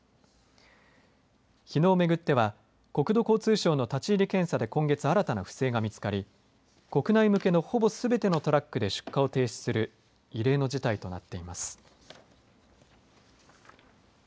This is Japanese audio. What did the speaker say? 日野を巡っては国土交通省の立ち入り検査で今月、新たな不正が見つかり国内向けのほぼすべてのトラックで出荷を停止する異例の事態となっています。